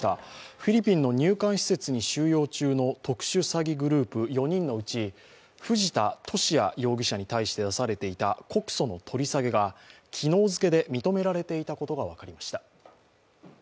フィリピンの入管施設に収容中の特殊詐欺グループの４人のうち藤田聖也容疑者に対して出されていた告訴の取り下げが昨日付けで認められていたことが分かりました。